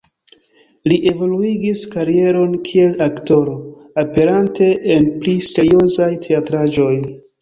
Li evoluigis karieron kiel aktoro, aperante en pli seriozaj teatraĵoj.